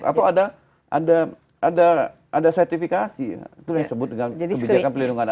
atau ada sertifikasi itu yang disebut dengan kebijakan pelindungan